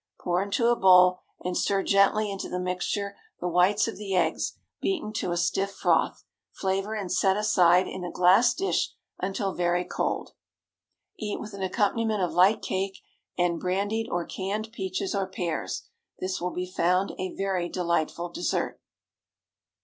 Pour into a bowl, and stir gently into the mixture the whites of the eggs, beaten to a stiff froth. Flavor, and set aside in a glass dish until very cold. Eat with an accompaniment of light cake and brandied, or canned peaches or pears. This will be found a very delightful dessert.